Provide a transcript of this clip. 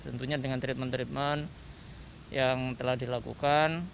tentunya dengan treatment treatment yang telah dilakukan